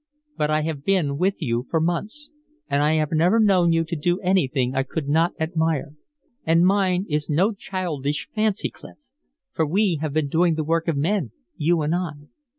But I have been with you for months, and I have never known you to do anything I could not admire. And mine is no childish fancy, Clif, for we have been doing the work of men, you and I.